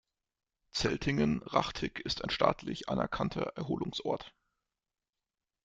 Zeltingen-Rachtig ist ein staatlich anerkannter Erholungsort.